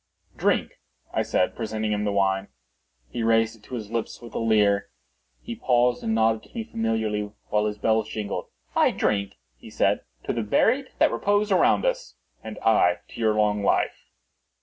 "Drink," I said, presenting him the wine. He raised it to his lips with a leer. He paused and nodded to me familiarly, while his bells jingled. "I drink," he said, "to the buried that repose around us." "And I to your long life."